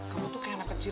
kamu tuh kayak anak kecil